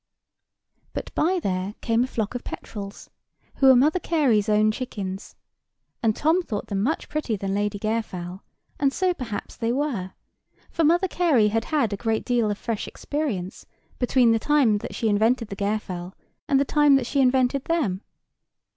But by there came a flock of petrels, who are Mother Carey's own chickens; and Tom thought them much prettier than Lady Gairfowl, and so perhaps they were; for Mother Carey had had a great deal of fresh experience between the time that she invented the Gairfowl and the time that she invented them.